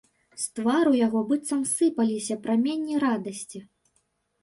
З твару яго быццам сыпаліся праменні радасці.